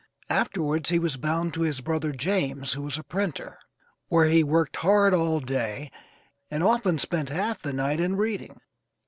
Afterwards he was bound to his brother James, who was a printer, where he worked hard all day, and often spent half the night in reading.